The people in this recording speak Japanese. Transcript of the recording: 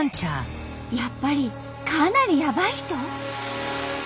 やっぱりかなりヤバい人？